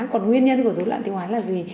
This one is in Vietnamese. còn nguyên nhân của dối loạn tiêu hóa là gì